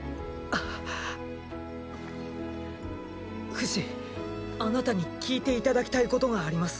フシあなたに聞いていただきたいことがあります。